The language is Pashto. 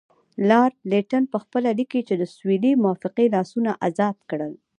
لارډ لیټن پخپله لیکي چې د سولې موافقې لاسونه ازاد کړل.